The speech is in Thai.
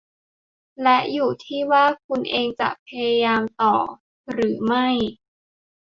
และอยู่ที่ว่าคุณเองจะพยายามต่อหรือไม่